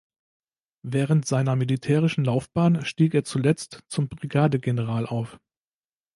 Während seiner militärischen Laufbahn stieg er zuletzt zum Brigadegeneral auf.